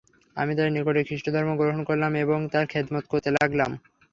আমি তার নিকটে খৃষ্টধর্ম গ্রহণ করলাম এবং তার খেদমত করতে লাগলাম।